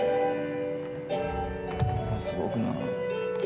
すごくない？